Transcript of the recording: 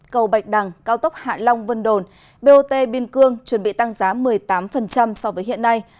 cầu bạch đằng cao tốc hạ long vân đồn bot biên cương chuẩn bị tăng giá một mươi tám so với hiện nay